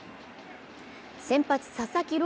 先発・佐々木朗